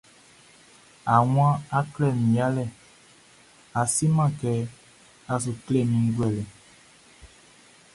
A wan, a klɛ mi yalɛ, a si man kɛ, a sou klɛ mi nʼglouɛlɛ.